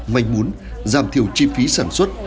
manh muốn giảm thiểu chi phí sản xuất